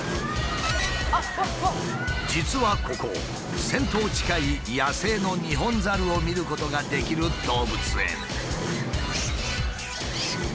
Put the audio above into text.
実はここ１，０００頭近い野生のニホンザルを見ることができる動物園。